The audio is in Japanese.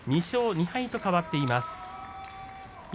２勝２敗と変わっています。